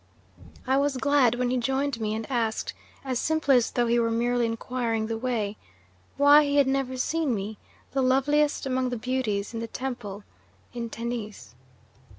I was glad when he joined me and asked, as simply as though he were merely inquiring the way, why he had never seen me, the loveliest among the beauties in the temple, in Tennis.